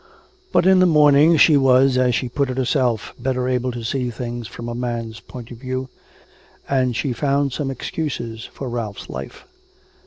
But in the morning she was, as she put it herself, better able to see things from a man's point of view, and she found some excuses for Ralph's life.